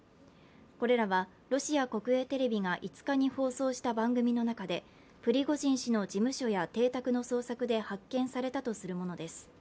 これらはロシア国営テレビが５日に放送した番組の中でプリゴジン氏の事務所や邸宅の捜索で発見されたとするものです。